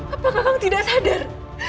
apakah kau tidak sadar